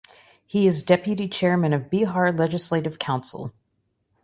He is Deputy Chairman of Bihar Legislative Council.